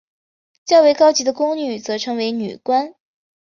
较为高级的宫女则称为女官。